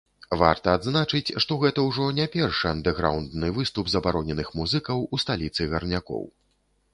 Варта адзначыць, што гэта ўжо не першы андэрграўндны выступ забароненых музыкаў у сталіцы гарнякоў.